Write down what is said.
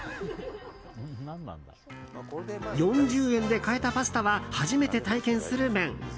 ４０円で買えたパスタは初めて体験する麺。